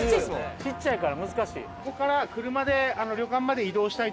小っちゃいから難しい。